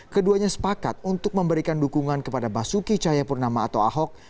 keduanya sepakat untuk memberikan dukungan kepada basuki cahayapurnama atau ahok